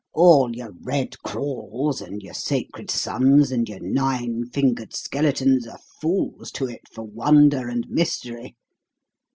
"All your 'Red Crawls' and your 'Sacred Sons' and your 'Nine fingered Skeletons' are fools to it for wonder and mystery.